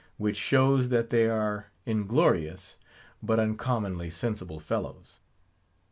Which shows that they are inglorious, but uncommonly sensible fellows.